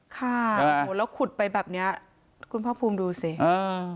ค่ะแล้วขุดไปแบบเนี้ยคุณพ่อภูมิดูสิอ่า